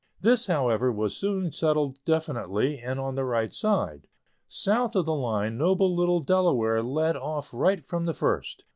This, however, was soon settled definitely, and on the right side. South of the line noble little Delaware led off right from the first.